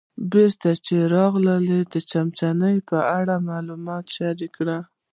بېرته چې راغی د څمڅې په اړه یې معلومات شریک کړل.